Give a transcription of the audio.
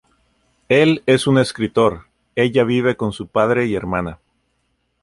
Él es un escritor, ella vive con su padre y hermana.